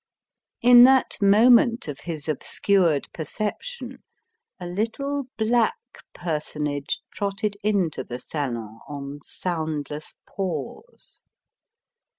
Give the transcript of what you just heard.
In that moment of his obscured perception a little black personage trotted into the salon on soundless paws.